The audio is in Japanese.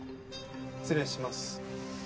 失礼します。